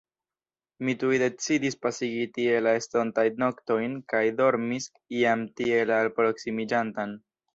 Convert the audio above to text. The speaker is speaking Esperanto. Mi tuj decidis pasigi tie la estontajn noktojn kaj dormis jam tie la alproksimiĝantan.